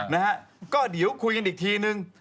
นะฮะก็เดี๋ยวคุยกันอีกทีนึง